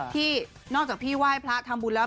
ที่นอกจากพี่ไหว้พระทำบุญแล้ว